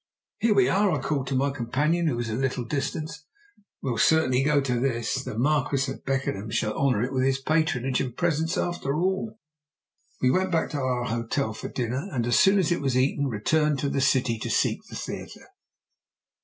"Here we are," I called to my companion, who was at a little distance. "We'll certainly go to this. The Marquis of Beckenham shall honour it with his patronage and presence after all." We went back to our hotel for dinner, and as soon as it was eaten returned to the city to seek the theatre.